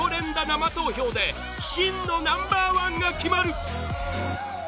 生投票で真のナンバー１が決まる！